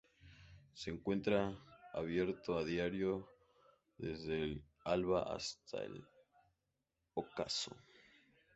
Se encuentra abierto a diario desde el alba hasta el ocaso.